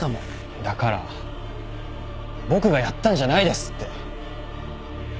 だから僕がやったんじゃないですって。